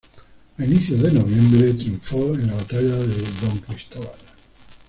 A inicios de noviembre triunfó en la batalla de Don Cristóbal.